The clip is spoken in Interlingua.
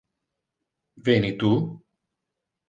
Veni tu?